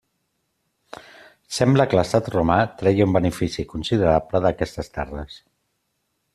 Sembla que l'estat romà treia un benefici considerable d'aquestes terres.